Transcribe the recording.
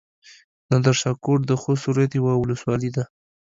نادرشاه کوټ د خوست ولايت يوه ولسوالي ده.